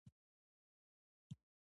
له باور پرته همکاري دوام نهشي کولی.